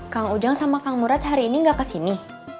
kang ujang sama kang murad hari ini nggak kesini